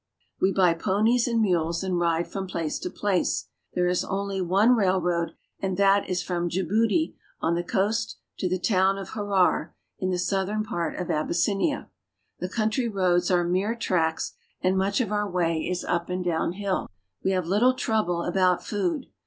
We buy ponies and mules, and ride from place to place, j "here is only one railroad, and that is from Jibuti | (je boo te') on the coast to the town of Harar (ha rar') in the southern part of Abyssinia. The country roads are mere tracks, and much of our way is up and down hill. We have little trouble about food.